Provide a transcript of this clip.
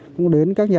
để tiến hành